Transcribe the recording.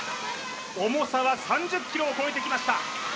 重さは３０ｋｇを超えてきました